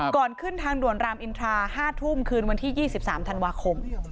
ก่อนขึ้นทางด่วนรามอินทรา๕ทุ่มคืนวันที่๒๓ธันวาคม